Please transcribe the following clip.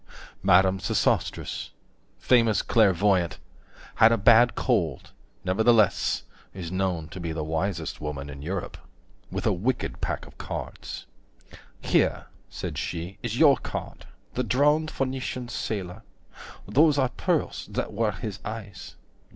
Madame Sosostris, famous clairvoyante, Had a bad cold, nevertheless Is known to be the wisest woman in Europe, 45 With a wicked pack of cards. Here, said she, Is your card, the drowned Phoenician Sailor, (Those are pearls that were his eyes.